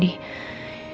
terima kasih besar